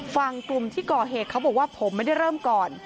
ฝั่งกลุ่มที่ก่อเหตุเขาบอกว่าผมไม่ได้เริ่มก่อน